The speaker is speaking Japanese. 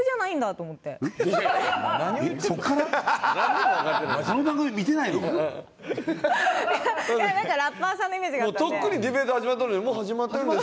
とっくにディベート始まっとるのに「もう始まってるんですか？」とか。